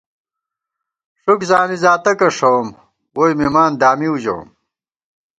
ݭُک زانی زاتَکہ ݭَوُم، ووئی مِمان دامِؤ ژَوُم